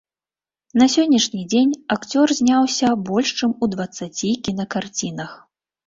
На сённяшні дзень акцёр зняўся больш чым у дваццаці кінакарцінах.